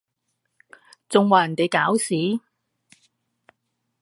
仲話人哋搞事？